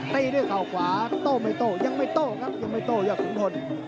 ตีด้วยเขากวางโตไม่โตยังไม่โตยังไม่โตยับหุงพล